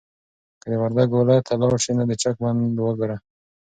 که د وردګو ولایت ته لاړ شې نو د چک بند وګوره.